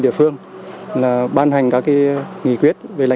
xin chào và hẹn gặp lại